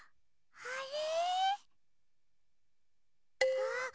あれ？